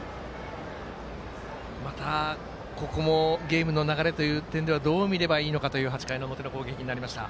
また、ここもゲームの流れという点ではどう見ればいいのかという８回の表の攻撃になりました。